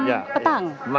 jam enam petang